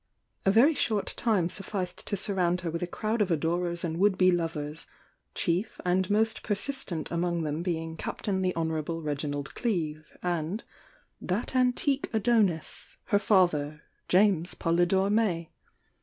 A very short time suf ficed to surround her with a crowd of adorers and would be lovers, chief and most persistent among them being Captain the Honourable Reginald Ueeve, and— that antique Adonis, her father, James Polydore May.